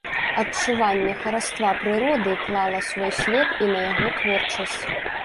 Адчуванне хараства прыроды клала свой след і на яго творчасць.